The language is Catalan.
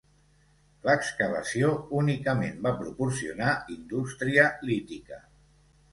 L'excavació únicament va proporcionar indústria lítica.